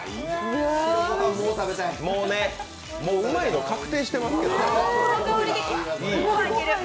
もうね、もううまいの確定してますけど。